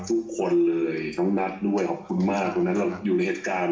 ทุกคนเลยน้องนัทด้วยขอบคุณมากตรงนั้นเราอยู่ในเหตุการณ์